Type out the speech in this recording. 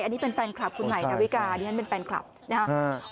อันนี้เป็นแฟนคลับคุณใหม่ดาวิกาดิฉันเป็นแฟนคลับนะฮะ